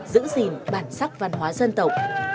giữ gìn bản sắc văn hóa dân tộc